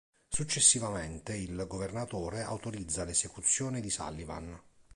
Successivamente, il governatore autorizza l'esecuzione di Sullivan.